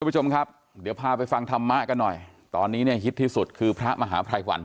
ผู้ชมครับเดี๋ยวพาไปฟังธรรมะกันหน่อยตอนนี้เนี่ยฮิตที่สุดคือพระมหาภัยวัน